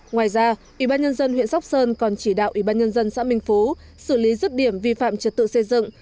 ngoài ra ủy ban nhân dân huyện sóc sơn còn chỉ đạo ủy ban nhân dân xã minh phú xử lý rứt điểm vi phạm trật tự xây dựng